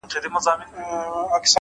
فکرونه د برخلیک تخمونه دي’